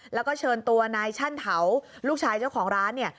แล้วก็เชิญตัวนายชั่นเถาลูกชายเจ้าของร้านเนี่ย